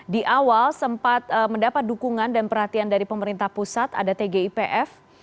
di awal sempat mendapat dukungan dan perhatian dari pemerintah pusat ada tgipf